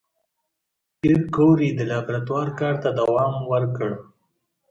پېیر کوري د لابراتوار کار ته دوام ورکړ.